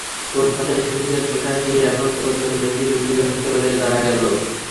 ফুটপাতে শিশুদের পোশাকই এখন পর্যন্ত বেশি বিক্রি হচ্ছে বলে জানা গেল।